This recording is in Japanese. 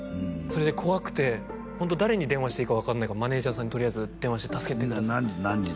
それで怖くてホント誰に電話していいか分かんないからマネージャーさんにとりあえず電話して「助けてください」何時？